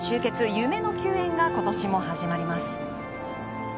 夢の球宴が今年も始まります。